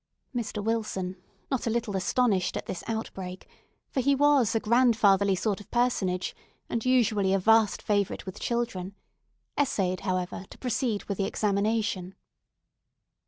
Mr. Wilson, not a little astonished at this outbreak—for he was a grandfatherly sort of personage, and usually a vast favourite with children—essayed, however, to proceed with the examination.